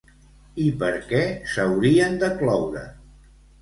I per què s'haurien de cloure?